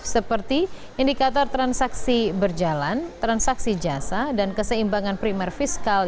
seperti indikator transaksi berjalan transaksi jasa dan keseimbangan primer fiskal